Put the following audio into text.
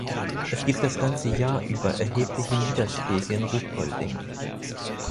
Es gibt das ganze Jahr über erhebliche Niederschläge in Ruhpolding.